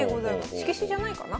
色紙じゃないかな。